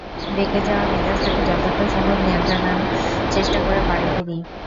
বেঁকে যাওয়া মেজাজকে যতটা সম্ভব নিয়ন্ত্রণে আনার চেষ্টা করে বাড়ি ফিরি।